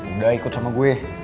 udah ikut sama gue